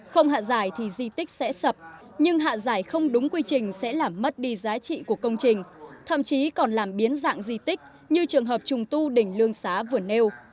không hạ giải thì di tích sẽ sập nhưng hạ giải không đúng quy trình sẽ làm mất đi giá trị của công trình thậm chí còn làm biến dạng di tích như trường hợp trùng tu đỉnh lương xá vừa nêu